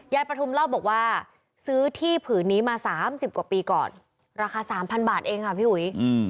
ประทุมเล่าบอกว่าซื้อที่ผืนนี้มา๓๐กว่าปีก่อนราคา๓๐๐บาทเองค่ะพี่อุ๋ย